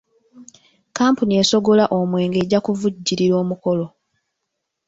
Kkampuni esogola omwenge ejja kuvujjirira omukolo.